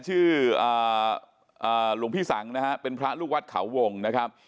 ชื่อหลวงพี่สังนะฮะเป็นพระลูกวัดเขาวงนะครับ